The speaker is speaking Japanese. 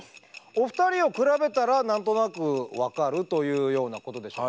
お二人を比べたら何となく分かるというようなことでしょう。